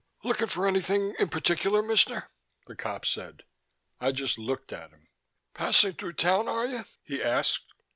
"Looking for anything in particular, Mister?" the cop said. I just looked at him. "Passing through town, are you?" he asked.